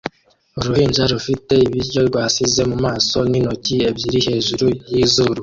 Uruhinja rufite ibiryo rwasize mu maso n'intoki ebyiri hejuru yizuru